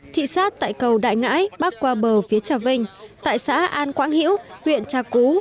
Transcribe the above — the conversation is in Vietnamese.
thị xác tại cầu đại ngãi bắc qua bờ phía trà vinh tại xã an quang hiễu huyện trà cú